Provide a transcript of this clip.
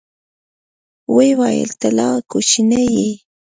ويې ويل ته لا کوچنى يې.